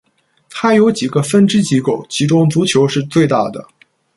它有几个分支机构，其中足球是最大的。